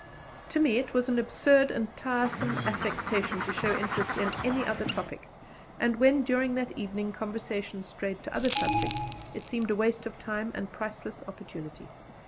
To me it was an absurd and tiresome affectation to show interest in any other topic, and when, during that evening, conversation strayed to other subjects, it seemed waste of time and priceless opportunity.